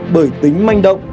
bởi tính manh động